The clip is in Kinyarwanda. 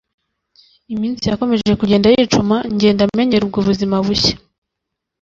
iminsi yakomeje kugenda yicuma ngenda menyera ubwo buzima bushya